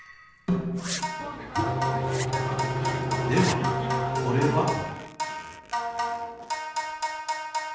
ではこれは？